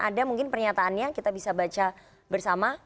ada mungkin pernyataannya kita bisa baca bersama